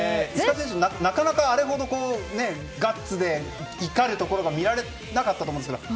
なかなかあれほどガッツで怒るところが見られなかったと思うんですけども。